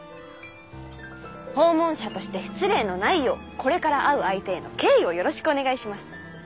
訪問者として失礼のないようこれから会う相手への敬意をよろしくお願いします。